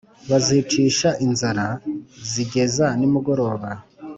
bazicisha inzara zigeza nimugoroba